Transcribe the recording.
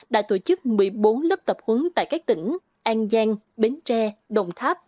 đã tổ chức một mươi bốn lớp tập huấn tại các tỉnh an giang bến tre đồng tháp